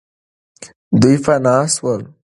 دوی پنا سول.